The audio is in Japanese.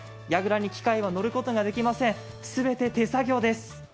やぐらに機械は乗ることはできません、全て手作業です。